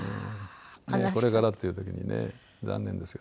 これからっていう時にね残念ですよ。